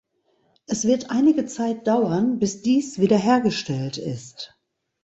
Es wird einige Zeit dauern, bis dies wiederhergestellt ist.